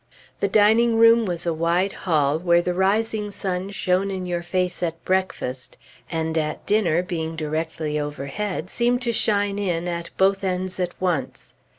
The dining room was a wide hall, where the rising sun shone in your face at breakfast, and at dinner, being directly overhead, seemed to shine in at both ends at once.